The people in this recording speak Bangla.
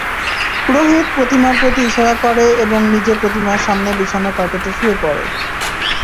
পুরোহিত প্রতিমার প্রতি ইশারা করে এবং নিজে প্রতিমার সামনে বিছানো কার্পেটে শুয়ে পড়ে।